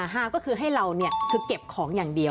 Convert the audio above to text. ห้ามก็คือให้เราเนี่ยเก็บของอย่างเดียว